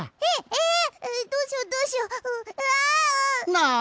なあ！